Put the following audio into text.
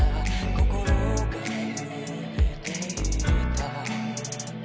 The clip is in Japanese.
心が揺れていた」